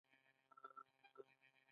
میناکاري په اصفهان کې کیږي.